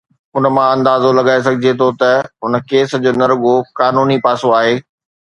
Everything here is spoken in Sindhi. ان مان اندازو لڳائي سگهجي ٿو ته هن ڪيس جو نه رڳو قانوني پاسو آهي.